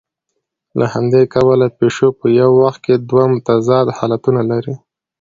له همدې کبله پیشو په یوه وخت کې دوه متضاد حالتونه لري.